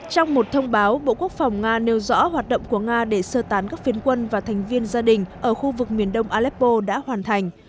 trong một thông báo bộ quốc phòng nga nêu rõ hoạt động của nga để sơ tán các phiến quân và thành viên gia đình ở khu vực miền đông aleppo đã hoàn thành